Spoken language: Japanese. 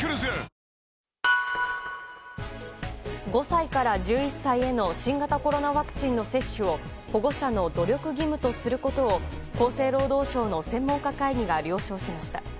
５歳から１１歳への新型コロナワクチンの接種を保護者の努力義務とすることを厚生労働省の専門家会議が了承しました。